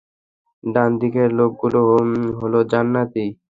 ডান দিকের লোকগুলো হলো জান্নাতী।